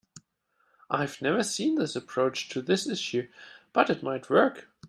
I have never seen this approach to this issue, but it might work.